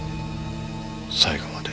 最後まで。